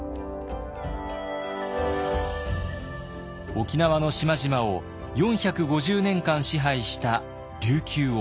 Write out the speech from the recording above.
沖縄の島々を４５０年間支配した琉球王国。